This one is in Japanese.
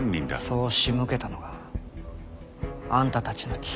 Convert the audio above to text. そう仕向けたのがあんたたちの罪です。